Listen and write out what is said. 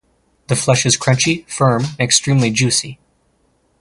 The flesh is crunchy, firm, and extremely juicy.